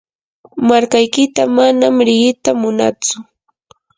markaykita manam riqita munatsu.